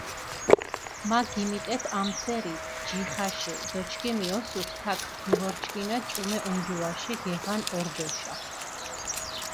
მა გიმიტეთ ამჷსერი ჯიხაშე დო ჩქიმი ოსურს თაქ გჷვორჩქინა ჭუმე ონჯუაშე გეღან ორდოშა.